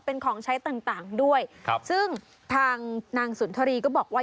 เป็นของใช้ต่างด้วยครับซึ่งทางนางสุนทรีก็บอกว่า